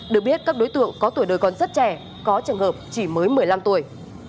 được biết các đối tượng có tuổi đời còn rất trẻ có trường hợp chỉ mới một mươi năm tuổi